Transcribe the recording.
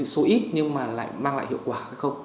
số ít nhưng mà lại mang lại hiệu quả hay không